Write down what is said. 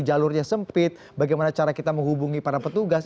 jalurnya sempit bagaimana cara kita menghubungi para petugas